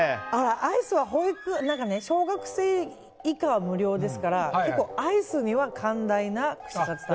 アイスは小学生以下は無料ですから結構アイスには寛大な串カツ田中さん。